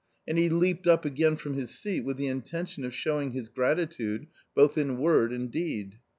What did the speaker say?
v > And he leaped up again from his seat with the intention " I of showing his gratitude both in word and deed.